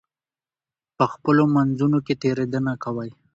په خپلو منځونو کې تېرېدنه کوئ.